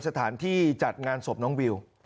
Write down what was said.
สถานที่จัดงานศพน้องวิว